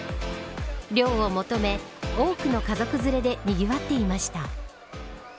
涼を求め多くの家族連れでにぎわっていました。